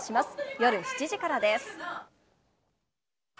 夜７時からです。